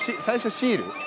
最初シール？